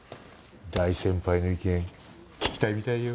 大先輩の意見聞きたいみたいよ？